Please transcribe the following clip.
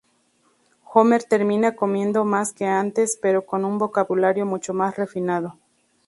Homer termina comiendo más que antes, pero con un vocabulario mucho más refinado.